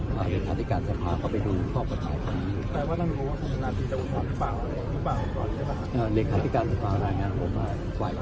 ประเด็นสมมติด้านฉะนั้นจะเนื่องจากนี้มั้ยครับ